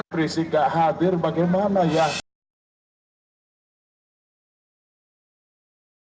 pemimpinan komisi tiga dpr pak jokowi berkata